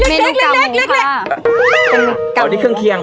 แล้วตรงตะวันที่ทางเคียง